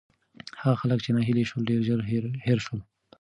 هغه خلک چې ناهیلي شول، ډېر ژر هېر شول.